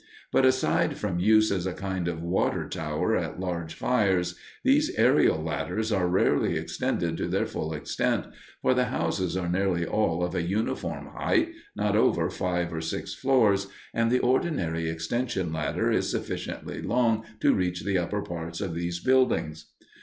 But aside from use as a kind of water tower at large fires, these aërial ladders are rarely extended to their full length, for the houses are nearly all of a uniform height, not over five or six floors, and the ordinary extension ladder is sufficiently long to reach the upper parts of these buildings.